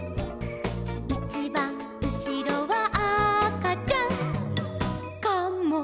「いちばんうしろはあかちゃん」「カモかもね」